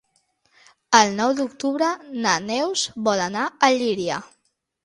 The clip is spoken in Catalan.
El nou d'octubre na Neus vol anar a Llíria.